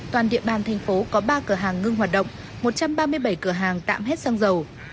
toàn địa bàn thành phố có ba cửa hàng ngưng hoạt động một trăm ba mươi bảy cửa hàng tạm hết xăng dầu